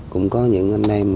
cũng có những anh em